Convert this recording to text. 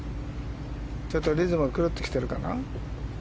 ちょっとリズムが狂ってきてるかな。